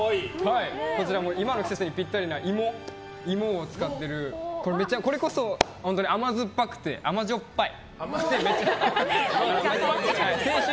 こちらも、今の季節にぴったりな芋を使ってるこれこそ本当にあまずっまくて甘じょっぱい。